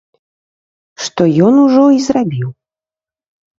Што ён ужо і зрабіў.